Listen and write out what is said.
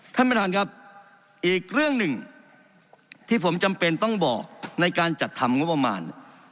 ท่านประธานครับอีกเรื่องหนึ่งที่ผมจำเป็นต้องบอกในการจัดทำงบประมาณ